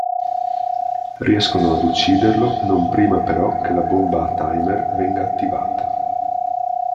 Riescono ad ucciderlo non prima però che la bomba a timer venga attivata.